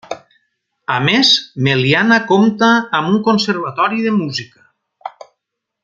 A més, Meliana compta amb un conservatori de música.